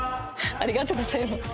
ありがとうございます。